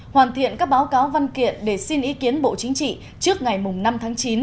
hoàn thiện các báo cáo văn kiện để xin ý kiến bộ chính trị trước ngày năm tháng chín